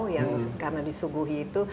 yang karena disuguhi itu